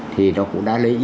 thì nó cũng đã lấy ý kiến